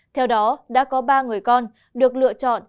theo đó đã có ba người con được lựa chọn